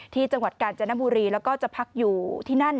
จังหวัดกาญจนบุรีแล้วก็จะพักอยู่ที่นั่น